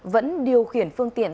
vẫn điều khiển phương tiện